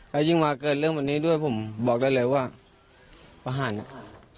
แล้วยิ่งมาเกิดเรื่องแบบนี้ด้วยผมบอกได้เลยว่าประหารอ่ะ